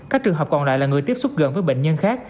các trường hợp còn lại là người tiếp xúc gần với bệnh nhân khác